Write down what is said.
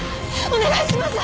お願いします！